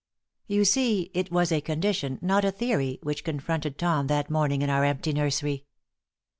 You see, it was a condition, not a theory, which confronted Tom that morning in our empty nursery.